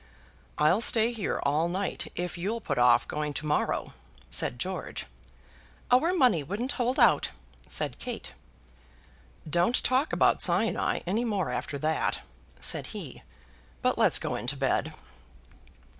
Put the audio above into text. "I'll stay here all night if you'll put off going to morrow," said George. "Our money wouldn't hold out," said Kate. "Don't talk about Sinai any more after that," said he, "but let's go in to bed."